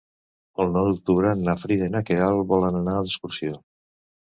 El nou d'octubre na Frida i na Queralt volen anar d'excursió.